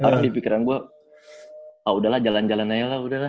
tapi pikiran gue ah udahlah jalan jalan nailah udahlah